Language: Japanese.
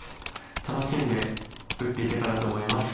楽しんで打っていけたらと思います。